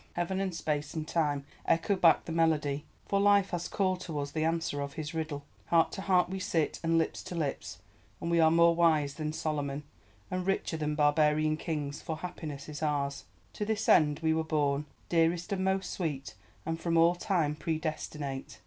Heaven and Space and Time, echo back the melody! For Life has called to us the answer of his riddle! Heart to heart we sit, and lips to lips, and we are more wise than Solomon, and richer than barbarian kings, for Happiness is ours. To this end were we born, Dearest and most sweet, and from all time predestinate!